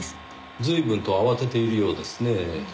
随分と慌てているようですねぇ。